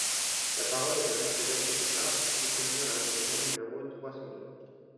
La parole est à Monsieur Jacques Pélissard, pour soutenir l’amendement numéro trois cent deux.